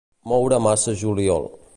Moure massa juliol.